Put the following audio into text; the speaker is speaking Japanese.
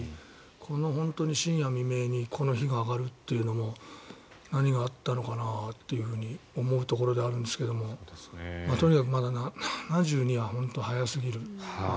この深夜未明にこの火が上がるっていうのも何があったのかなと思うところではあるんですけどもとにかくまだ７２は本当に早すぎる。